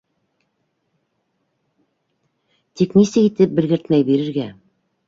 Тик нисек итеп белгертмәй бирергә?